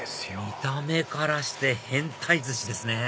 見た目からして変タイ鮨ですね